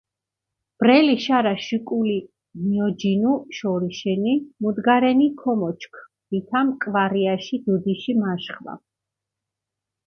ბრელი შარაშ უკული მიოჯინუ შორიშენი, მუდგარენი ქომოჩქ, ვითამ კვარიაში დუდიში მაშხვა.